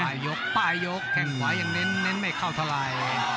ยกป้ายยกแข้งขวายังเน้นไม่เข้าเท่าไหร่